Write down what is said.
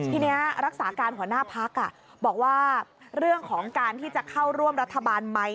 ทีนี้รักษาการหัวหน้าพักบอกว่าเรื่องของการที่จะเข้าร่วมรัฐบาลไหม